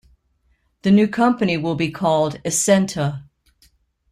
The new company will be called Essenta.